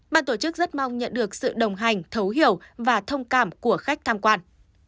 ban tổ chức rất mong nhận được sự đồng hành thấu hiểu và thông cảm của khách tham quan